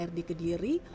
perdagangan air di kediri